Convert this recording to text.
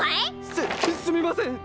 すっすみません！